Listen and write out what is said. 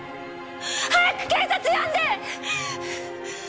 早く警察呼んで！！